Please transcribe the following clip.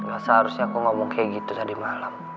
gak seharusnya aku ngomong kayak gitu tadi malam